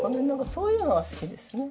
そういうのが好きですね。